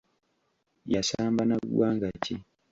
Yasamba na ggwanga ki?